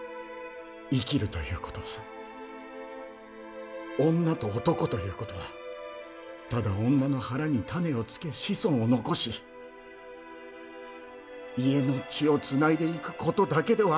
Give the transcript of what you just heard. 生きるということは女と男ということはただ女の腹に種をつけ子孫を残し家の血をつないでいくことだけではありますまい！